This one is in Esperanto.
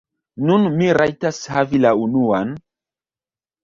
Nun mi rajtas havi la unuan...